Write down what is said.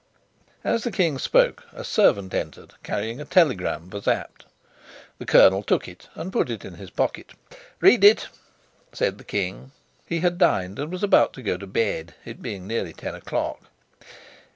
As the king spoke a servant entered, carrying a telegram for Sapt. The colonel took it and put it in his pocket. "Read it," said the king. He had dined and was about to go to bed, it being nearly ten o'clock.